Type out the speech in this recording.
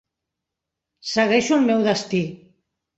Segueixo el meu destí.